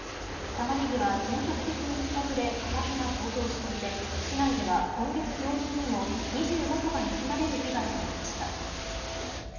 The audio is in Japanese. タマネギは全国的に不作で価格が高騰していて市内では今月上旬にも２５個が盗まれる被害がありました。